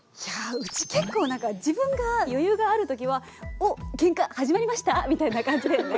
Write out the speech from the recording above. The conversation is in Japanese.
やうち結構なんか自分が余裕がある時は「おケンカ始まりました？」みたいな感じで。